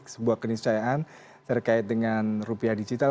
sebuah keniscayaan terkait dengan rupiah digital